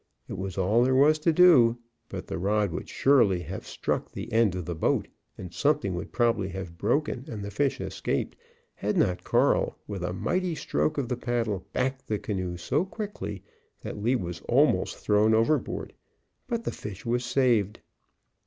It was all there was to do, but the rod would surely have struck the end of the boat, and something would probably have broken and the fish escaped, had not Carl, with a mighty stroke of the paddle, backed the canoe so quickly that Lee was almost thrown overboard. But the fish was saved.